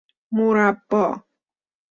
مربا